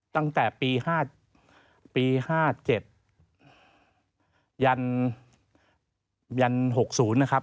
ตั้งแต่ปี๕ปี๕๗ยันยัน๖๐นะครับ